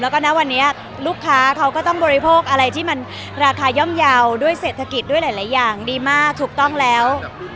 แล้วก็ณวันนี้ลูกค้าเขาก็ต้องบริโภคอะไรที่มันราคาย่อมเยาว์ด้วยเศรษฐกิจด้วยหลายอย่างดีมากถูกต้องแล้ว